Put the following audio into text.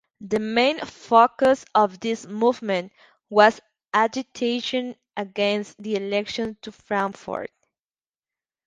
The main focus of this movement was agitation against the election to Frankfurt.